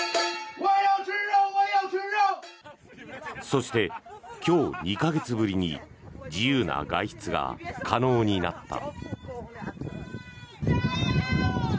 そして今日、２か月ぶりに自由な外出が可能になった。